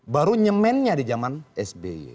baru nyemennya di zaman sby